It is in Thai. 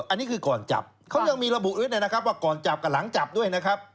อันนี้คือก่อนจับเขายังมีระบุด้วยนะครับว่าก่อนจับกับหลังจับด้วยนะครับ